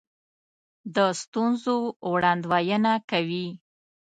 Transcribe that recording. د ستونزو وړاندوینه کوي.